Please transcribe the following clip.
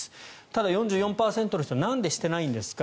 ただ、４４％の人なんでしてないんですか。